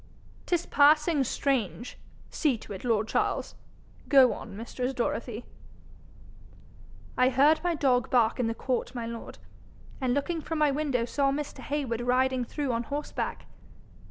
''Tis passing strange. See to it, lord Charles. Go on, mistress Dorothy.' 'I heard my dog bark in the court, my lord, and looking from my window saw Mr. Heywood riding through on horseback.